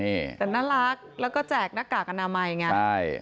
แต่น่ารักแล้วก็แจกหน้ากากอนามัยไงใช่